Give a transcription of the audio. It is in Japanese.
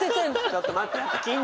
ちょっと待って！